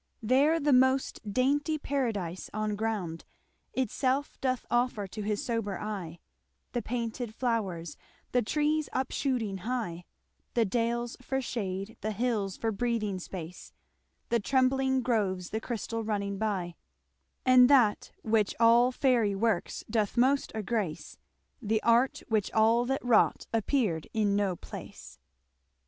There the most daintie paradise on ground Itselfe doth offer to his sober eye, The painted flowres, the trees upshooting hye, The dales for shade, the hills for breathing space, The trembling groves, the christall running by; And that, which all faire works doth most aggrace, The art which all that wrought appeared in no place.